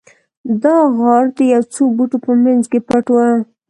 دا غار د یو څو بوټو په مینځ کې پټ و